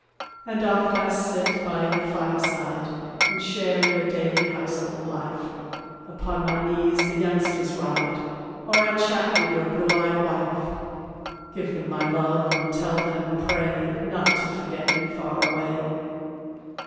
And oft I sit by your fireside, And share your daily household life; Upon my knees the youngsters ride, Or I chat with your blue eyed wife. Give them my love, and tell them, pray, Not to forget me far away.